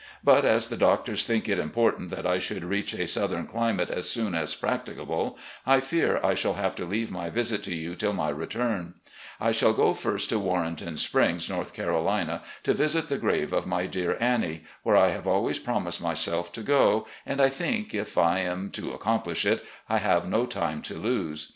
But as the doctors think it important that I should reach a 386 RECOLLECTIONS OP GENERAL LEE southern climate as soon as practicable, I fear I shall have to leave my visit to you till my return. I shall go first to Warrenton Springs, North Carolina, to visit the grave of my dear Annie, where I have always promised myself to go, and I think, if I am to accomplish it, I have no time to lose.